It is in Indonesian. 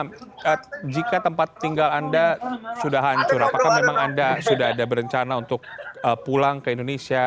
nah jika tempat tinggal anda sudah hancur apakah memang anda sudah ada berencana untuk pulang ke indonesia